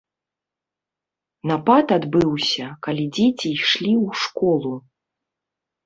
Напад адбыўся, калі дзеці ішлі ў школу.